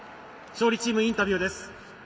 勝利チームインタビューです。